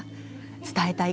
伝えたい